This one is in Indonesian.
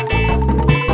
dia bangga ya